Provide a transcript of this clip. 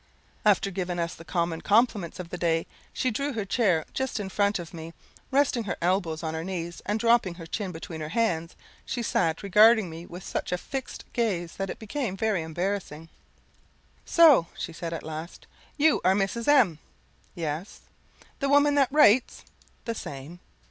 After giving us the common compliments of the day, she drew her chair just in front of me, and, resting her elbows on her knees, and dropping her chin between her hands, she sat regarding me with such a fixed gaze that it became very embarrassing. "So," says she, at last, "you are Mrs. M ?" "Yes." "The woman that writes?" "The same."